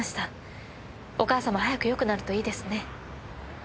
お母様早くよくなるといいですね。